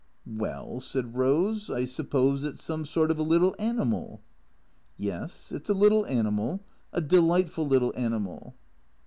" Well," said Rose, " I suppose it 's some sort of a little animal." " Yes, it 's a little animal. A delightful little animal."